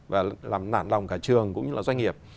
và làm nản lòng cả trường cũng như là doanh nghiệp